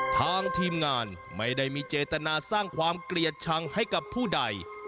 ทางทีมงานไม่ได้มีเจตนาสร้างความเกลียดชังให้กับผู้ใด